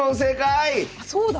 あそうだ！